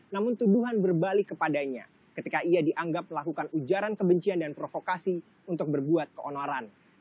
namun tuduhan berbalik kepadanya ketika ia dianggap melakukan ujaran kebencian dan provokasi untuk berbuat keonoran